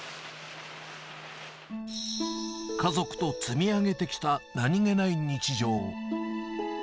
家族と積み上げてきた何気ない日常。